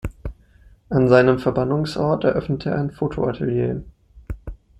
An seinem Verbannungsort eröffnete er ein Fotoatelier.